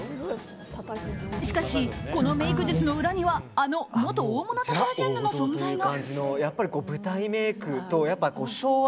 しかし、このメイク術の裏にはあの元大物タカラジェンヌの存在が。